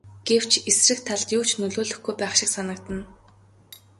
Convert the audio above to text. Гэвч эсрэг талд юу ч нөлөөлөхгүй байх шиг санагдана.